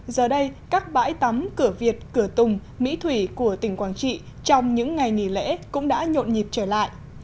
giờ đây các bãi tắm cửa việt cửa tùng mỹ thủy của tỉnh quảng trị trong những ngày nghỉ lễ cũng đã nhộn nhịp trở lại